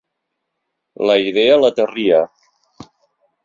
La idea l'aterria.